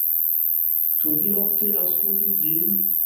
Ĉu vi ofte aŭskultis ĝin?